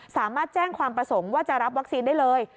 สามารถแจ้งความประสงค์ว่าจะรับวัคซีนได้เลย